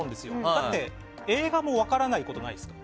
だって、映画も分からないことあるじゃないですか。